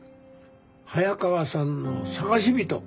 早川さんの探し人。